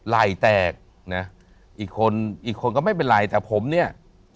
ไหล่แตกนะอีกคนอีกคนก็ไม่เป็นไรแต่ผมเนี่ย